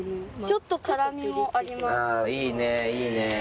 ちょっとああいいねえ